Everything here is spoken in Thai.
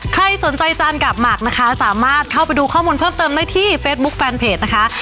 ใครสนใจจานกับหมักนะคะสามารถเข้าไปดูข้อมูลเพิ่มเติมได้ที่เฟซบุ๊คแฟนเพจนะคะ